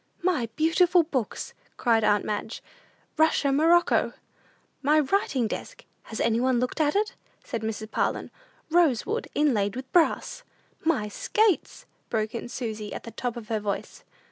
"My beautiful books!" cried aunt Madge; "Russia morocco." "My writing desk, has any one looked at it?" said Mrs. Parlin; "rose wood, inlaid with brass." "My skates!" broke in Susy, at the top of her voice.